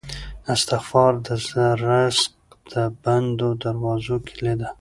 استغفار د رزق د بندو دروازو کیلي ده.